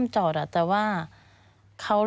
มันจอดอย่างง่ายอย่างง่าย